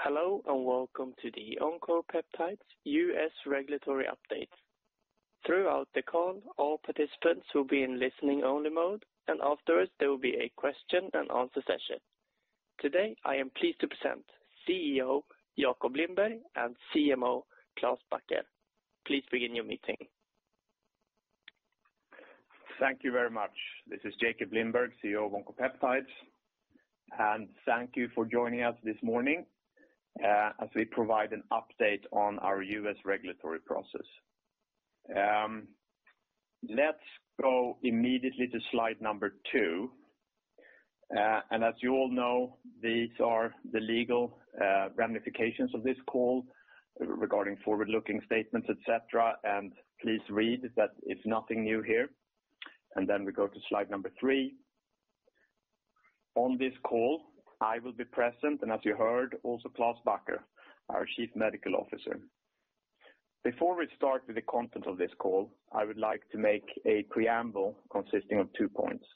Hello, and welcome to the OncoPeptides U.S. regulatory update. Throughout the call, all participants will be in listening only mode, and afterwards there will be a question and answer session. Today, I am pleased to present CEO Jakob Lindberg and CMO Klaas Bakker. Please begin your meeting. Thank you very much. This is Jakob Lindberg, CEO of OncoPeptides. Thank you for joining us this morning, as we provide an update on our U.S. regulatory process. Let's go immediately to slide number two. As you all know, these are the legal ramifications of this call regarding forward-looking statements, et cetera. Please read that it's nothing new here. We go to slide number three. On this call, I will be present, and as you heard, also Klaas Bakker, our Chief Medical Officer. Before we start with the content of this call, I would like to make a preamble consisting of two points.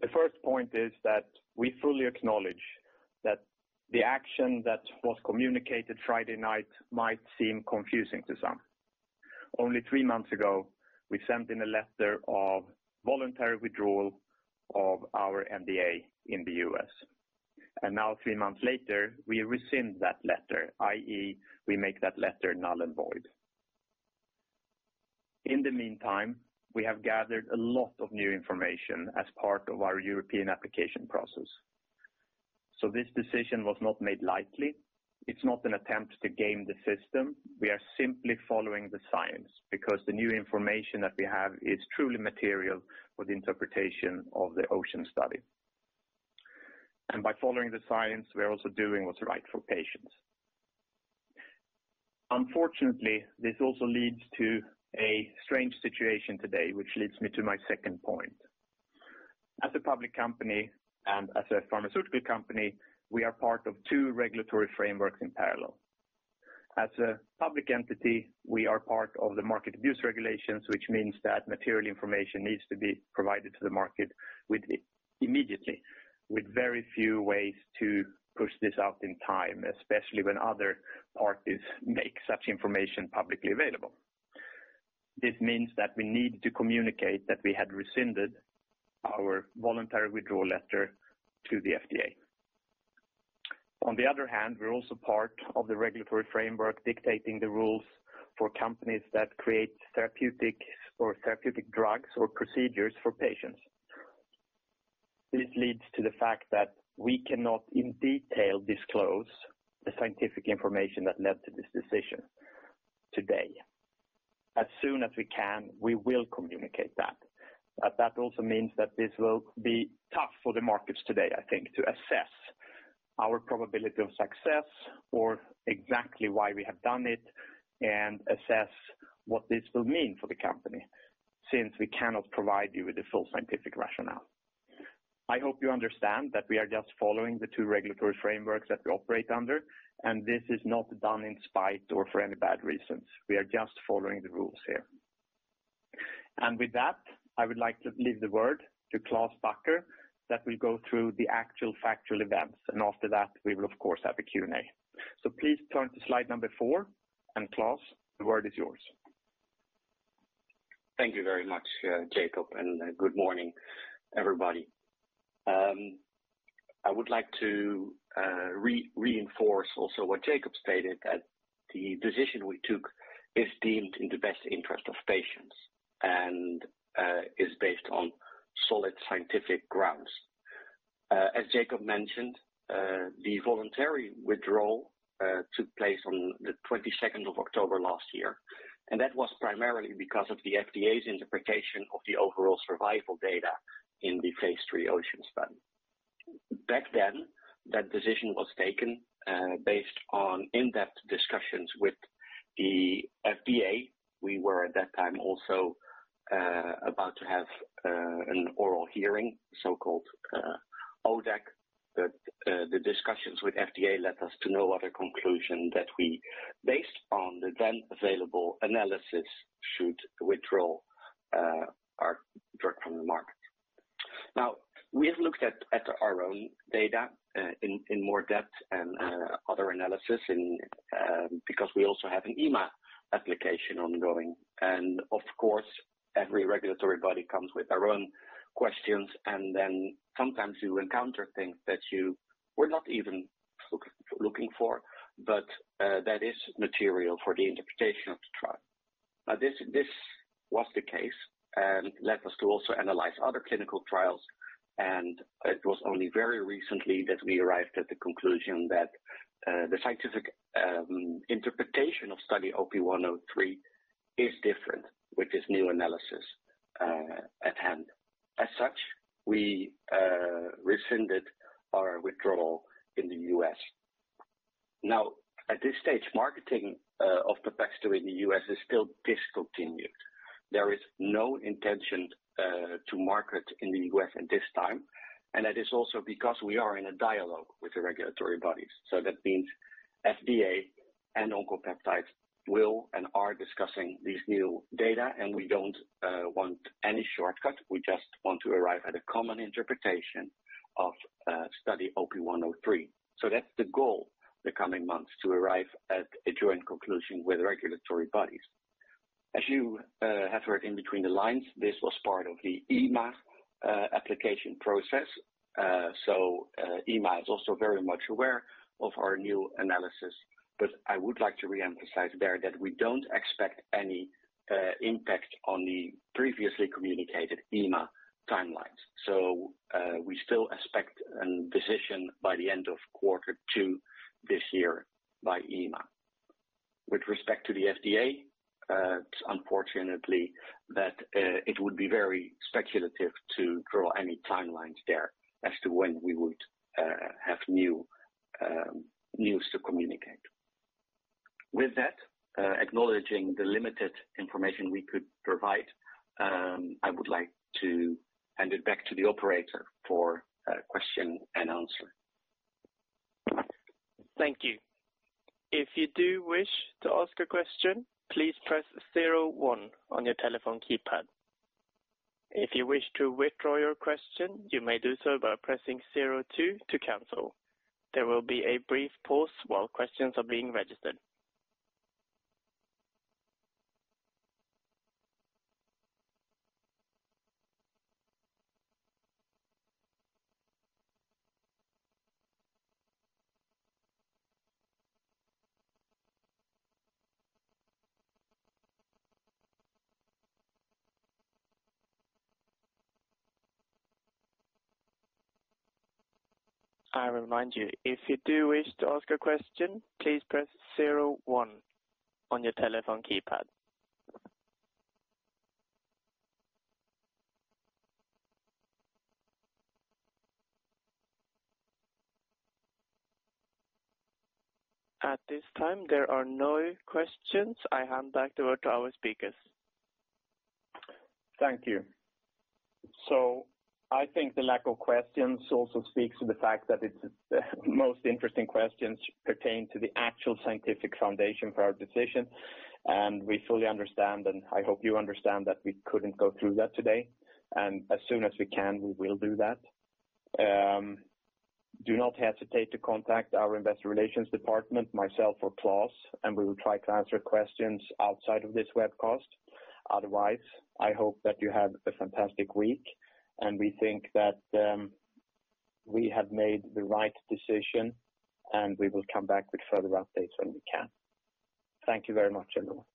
The first point is that we fully acknowledge that the action that was communicated Friday night might seem confusing to some. Only three months ago, we sent in a letter of voluntary withdrawal of our NDA in the U.S. Now three months later, we rescind that letter, i.e., we make that letter null and void. In the meantime, we have gathered a lot of new information as part of our European application process. This decision was not made lightly. It's not an attempt to game the system. We are simply following the science because the new information that we have is truly material for the interpretation of the OCEAN study. By following the science, we are also doing what's right for patients. Unfortunately, this also leads to a strange situation today, which leads me to my second point. As a public company and as a pharmaceutical company, we are part of two regulatory frameworks in parallel. As a public entity, we are part of the market abuse regulations, which means that material information needs to be provided to the market with immediately, with very few ways to push this out in time, especially when other parties make such information publicly available. This means that we need to communicate that we had rescinded our voluntary withdrawal letter to the FDA. On the other hand, we're also part of the regulatory framework dictating the rules for companies that create therapeutic drugs or procedures for patients. This leads to the fact that we cannot in detail disclose the scientific information that led to this decision today. As soon as we can, we will communicate that. That also means that this will be tough for the markets today, I think, to assess our probability of success or exactly why we have done it and assess what this will mean for the company since we cannot provide you with the full scientific rationale. I hope you understand that we are just following the two regulatory frameworks that we operate under, and this is not done in spite or for any bad reasons. We are just following the rules here. With that, I would like to leave the word to Klaas Bakker, that will go through the actual factual events. After that, we will, of course, have a Q&A. Please turn to slide number four. Klaas, the word is yours. Thank you very much, Jakob, and good morning, everybody. I would like to reinforce also what Jakob stated, that the decision we took is deemed in the best interest of patients and is based on solid scientific grounds. As Jakob mentioned, the voluntary withdrawal took place on the 22nd of October last year, and that was primarily because of the FDA's interpretation of the overall survival data in the phase III OCEAN study. Back then, that decision was taken based on in-depth discussions with the FDA. We were at that time also about to have an oral hearing, so-called, ODAC. The discussions with FDA led us to no other conclusion that we, based on the then available analysis, should withdraw our drug from the market. Now, we have looked at our own data in more depth and other analysis because we also have an EMA application ongoing. Of course, every regulatory body comes with their own questions, and then sometimes you encounter things that you were not even looking for, but that is material for the interpretation of the trial. Now this was the case and led us to also analyze other clinical trials, and it was only very recently that we arrived at the conclusion that the scientific interpretation of study OP-103 is different with this new analysis at hand. As such, we rescinded our withdrawal in the U.S. Now, at this stage, marketing of Pepaxto in the U.S. is still discontinued. There is no intention to market in the U.S. at this time, and that is also because we are in a dialogue with the regulatory bodies. That means FDA and OncoPeptides will and are discussing these new data, and we don't want any shortcut. We just want to arrive at a common interpretation of study OP 103. That's the goal the coming months to arrive at a joint conclusion with regulatory bodies. As you have heard in between the lines, this was part of the EMA application process. EMA is also very much aware of our new analysis. I would like to reemphasize there that we don't expect any impact on the previously communicated EMA timelines. We still expect a decision by the end of quarter two this year by EMA. With respect to the FDA, it's unfortunate that it would be very speculative to draw any timelines there as to when we would have new news to communicate. With that, acknowledging the limited information we could provide, I would like to hand it back to the operator for question and answer. Thank you. If you do wish to ask a question, please press zero one on your telephone keypad. If you wish to withdraw your question, you may do so by pressing zero two to cancel. There will be a brief pause while questions are being registered. I remind you, if you do wish to ask a question, please press zero one on your telephone keypad. At this time, there are no questions. I hand back over to our speakers. Thank you. I think the lack of questions also speaks to the fact that it's most interesting questions pertain to the actual scientific foundation for our decision, and we fully understand, and I hope you understand that we couldn't go through that today. As soon as we can, we will do that. Do not hesitate to contact our investor relations department, myself or Klaas, and we will try to answer questions outside of this webcast. Otherwise, I hope that you have a fantastic week, and we think that, we have made the right decision, and we will come back with further updates when we can. Thank you very much, everyone.